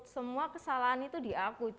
semua kesalahan itu di aku